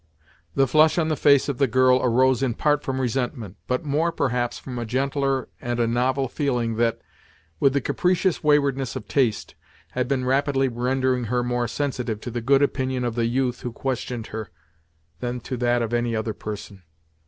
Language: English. The flush on the face of the girl arose in part from resentment, but more perhaps from a gentler and a novel feeling, that, with the capricious waywardness of taste, had been rapidly rendering her more sensitive to the good opinion of the youth who questioned her, than to that of any other person.